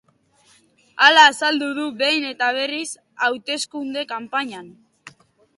Hala azaldu du behin eta berriz hauteskunde kanpainan.